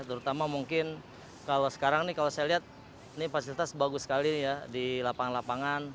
terutama mungkin kalau sekarang nih kalau saya lihat ini fasilitas bagus sekali ya di lapangan lapangan